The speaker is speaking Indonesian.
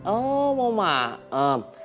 oh mau makan